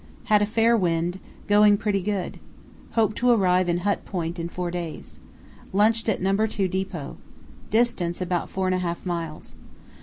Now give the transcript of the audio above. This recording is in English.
Had a fair wind, going pretty good. Hope to arrive in Hut Point in four days. Lunched at No. 2 depot. Distance about four and a half miles.